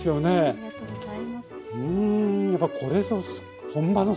ありがとうございます。